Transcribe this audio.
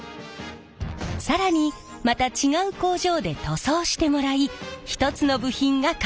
更にまた違う工場で塗装してもらい一つの部品が完成するのです。